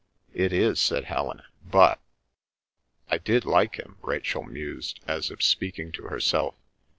"It is," said Helen. "But—" "I did like him," Rachel mused, as if speaking to herself.